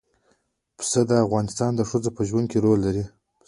پسه د افغان ښځو په ژوند کې رول لري.